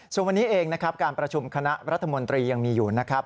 ส่วนวันนี้เองนะครับการประชุมคณะรัฐมนตรียังมีอยู่นะครับ